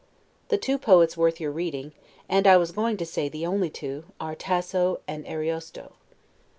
The two poets worth your reading, and, I was going to say, the only two, are Tasso and Ariosto.